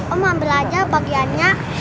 om ambil aja bagiannya